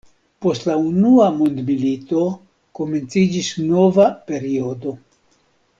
Post la unua mondmilito komenciĝis nova periodo.